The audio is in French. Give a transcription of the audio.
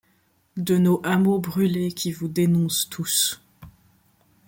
De nos hameaux brûlés qui vous dénonce tous